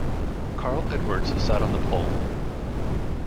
Carl Edwards sat on the pole.